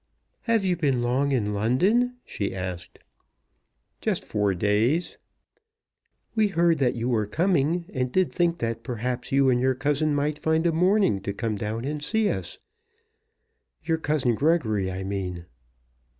"Have you been long in London?" she asked. "Just four days." "We heard that you were coming, and did think that perhaps you and your cousin might find a morning to come down and see us; your cousin Gregory, I mean."